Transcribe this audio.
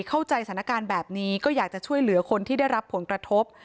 เข้าใจสถานการณ์แบบนี้ก็อยากจะช่วยเหลือคนที่ได้รับผลกระทบ